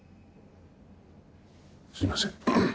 すみません！